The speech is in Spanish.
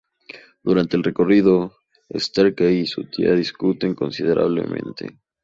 Durante el recorrido, Starkey y su tía discuten considerablemente.